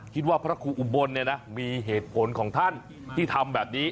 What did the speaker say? คิดว่าพระครูอุบลมีเหตุผลของท่านที่ทำแบบนี้